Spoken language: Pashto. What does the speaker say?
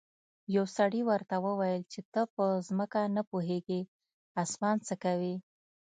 یو سړي ورته وویل چې ته په ځمکه نه پوهیږې اسمان څه کوې.